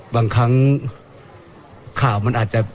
บางครั้งข่าวมันอาจจะ